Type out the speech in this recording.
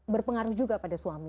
berpengaruh juga pada suami